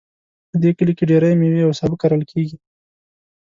په دې کلي کې ډیری میوې او سابه کرل کیږي